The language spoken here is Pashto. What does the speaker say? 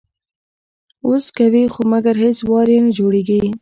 وس کوي خو مګر هیڅ وار یې نه جوړیږي